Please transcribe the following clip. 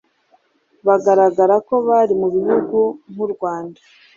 bagaragara ko bari mu bihugu nk'u Rwanda,